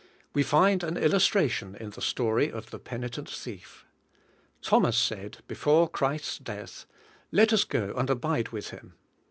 We find an illustration in the story of the penitent thief. Thomas said, before Christ's death, *'Let us go and abide with Him."